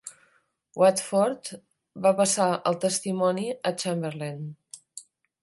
Watford va passar el testimoni a Chamberlain.